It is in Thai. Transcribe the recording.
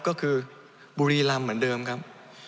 ก็คือบุรีรำเหมือนเดิมครับ